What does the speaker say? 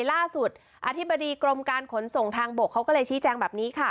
ล่าสุดอธิบดีกรมการขนส่งทางบกเขาก็เลยชี้แจงแบบนี้ค่ะ